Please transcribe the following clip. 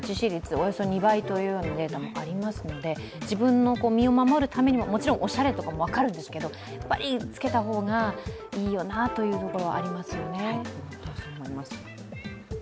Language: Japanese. およそ２倍というデータもありますので、自分の身を守るためにも、もちろんおしゃれとかも分かるんですけどつけた方がいいよなというのがありますよね。